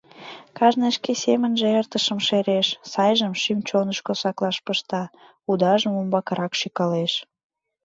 Кажне шке семынже эртышым шереш, сайжым шӱм-чонышко саклаш пышта, удажым умбакырак шӱкалеш.